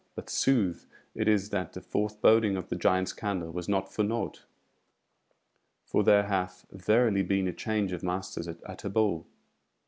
But sooth it is that the foreboding of the Giant's Candle was not for naught. For there hath verily been a change of masters at Utterbol."